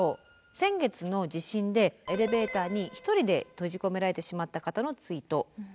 先月の地震でエレベーターに１人で閉じ込められてしまった方のツイートなんですね。